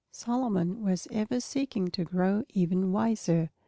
Solomon was ever seeking to grow even wiser.